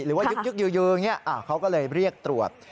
หรือว่ายึกอยู่เขาก็เลยเรียกตรวจ